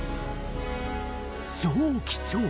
超貴重！